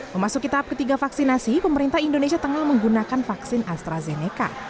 memasuki tahap ketiga vaksinasi pemerintah indonesia tengah menggunakan vaksin astrazeneca